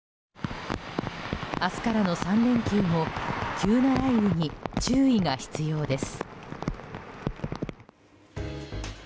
明日からの３連休も急な雷雨に注意が必要です。